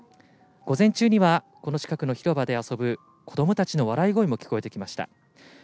午前中にはこの近くの広場で遊ぶ子どもたちの笑い声も聞こえてきました。